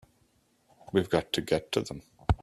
We've got to get to them!